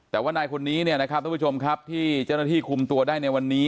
แต่ว่านายคนนี้เนี่ยนะครับทุกผู้ชมครับที่เจ้าหน้าที่คุมตัวได้ในวันนี้